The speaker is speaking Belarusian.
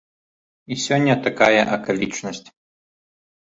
І сёння такая акалічнасць.